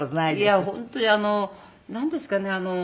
いや本当になんですかね。